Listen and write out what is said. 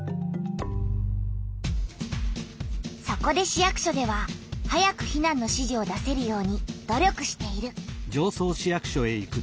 そこで市役所では早く避難の指示を出せるように努力している。